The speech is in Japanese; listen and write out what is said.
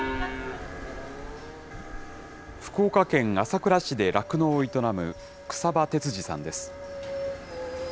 福岡県朝倉市で酪農を営む草場哲治さんです。